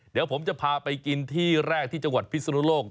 เดี๋ยวผมจะพาไปกินที่แรกที่จังหวัดพิศนุโลก